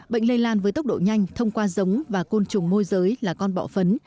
bệnh lây lan với tốc độ nhanh thông qua giống và côn trùng môi giới là con bọ phấn